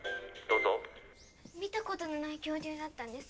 見たことのない恐竜だったんです。